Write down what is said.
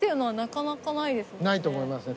ないと思いますね。